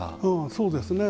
そうですね。